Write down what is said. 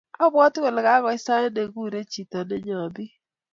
abwati kole kagoit sait naguree chito neinyoi biik